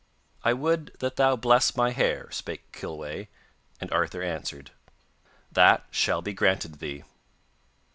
'I would that thou bless my hair,' spake Kilweh, and Arthur answered: 'That shall be granted thee.